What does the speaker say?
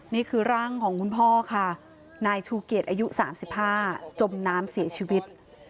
นี่คือร่างของคุณพ่อค่ะนายชูเกียจอายุ๓๕จมน้ำเสียชีวิต